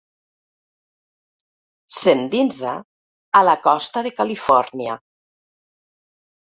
S'endinsa a la costa de Califòrnia.